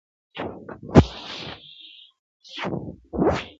چي زه ویښ وم که ویده وم-